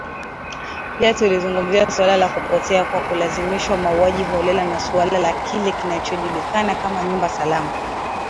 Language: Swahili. Pia tulizungumzia suala la kupotea kwa kulazimishwa mauaji holela na suala la kile kinachojulikana kama nyumba salama